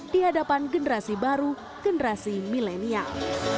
di hadapan generasi baru generasi milenial